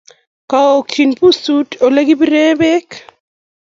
Kookchi pusut ole kipiren peek.